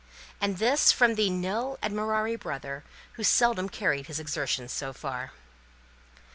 And this from the nil admirari brother, who seldom carried his exertions so far.